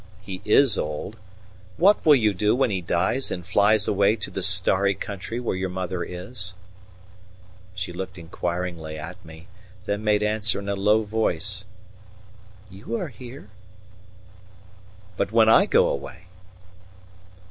He is old what will you do when he dies and flies away to the starry country where your mother is?" She looked inquiringly at me, then made answer in a low voice: "You are here." "But when I go away?"